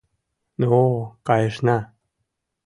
Но-о, кайышна!